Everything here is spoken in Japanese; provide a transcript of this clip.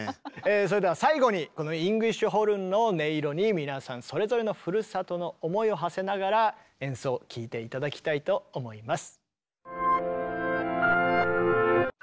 それでは最後にこのイングリッシュホルンの音色に皆さんそれぞれのふるさとの思いをはせながら演奏を聴いて頂きたいと思います。